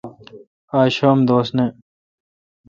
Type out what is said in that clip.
آج شنب دوس نہ۔